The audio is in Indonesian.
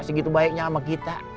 segitu baiknya sama kita